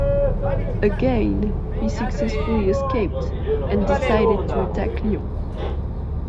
Again, he successfully escaped, and decided to attack Lyon.